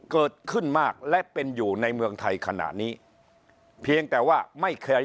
เกิดขึ้นมากและเป็นอยู่ในเมืองไทยขณะนี้เพียงแต่ว่าไม่เคย